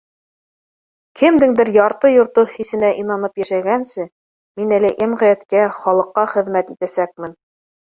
Кемдең дер ярты-йорто хисенә инанып йәшәгәнсе, мин әле йәм ғиәткә, халыҡҡа хеҙмәт итәсәкмен